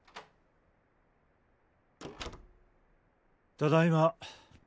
ただいま。